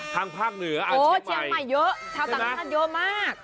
ทางภาคเหนือเชียงใหม่ใช่ไหมอ๋อเชียงใหม่เยอะชาวต่างนั้นเยอะมาก